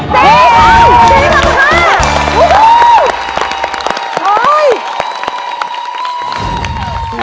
เจ็บเข้าจริงเหรอคะ